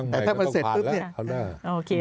แต่ถ้ามันเสร็จปุ๊บเนี่ยโอเค